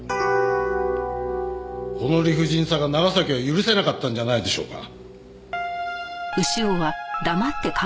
この理不尽さが長崎は許せなかったんじゃないでしょうか？